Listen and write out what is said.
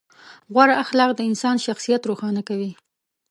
غوره اخلاق د انسان شخصیت روښانه کوي.